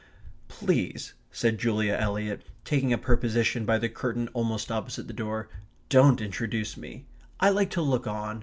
"Please," said Julia Eliot, taking up her position by the curtain almost opposite the door, "don't introduce me. I like to look on.